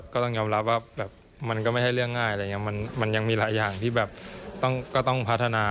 ก็ต้องยอมรับว่ามันก็ไม่ได้เลือกง่ายมันยังมีหลายอย่างที่ก็ต้องพัฒนา